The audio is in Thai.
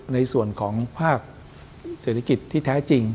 ในส่วนของภาคเศรษฐกิจที่แท้จริง